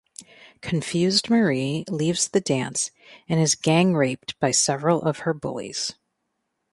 Confused Marie leaves the dance and is gang raped by several of her bullies.